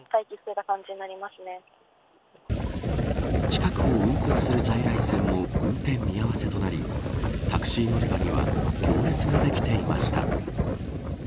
近くを運行する在来線も運転見合わせとなりタクシー乗り場には行列ができていました。